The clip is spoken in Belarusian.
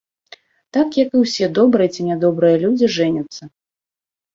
Так, як і ўсе добрыя ці нядобрыя людзі жэняцца.